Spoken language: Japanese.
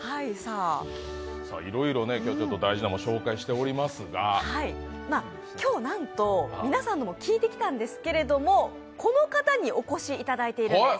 いろいろ今日、大事なものを紹介しておりますが、今日なんと皆さんにも聞いてきたんですけれどもこの方にお越しいただいているんです。